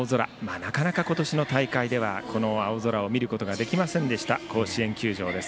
なかなか今年の大会ではこの青空を見ることができませんでした甲子園球場です。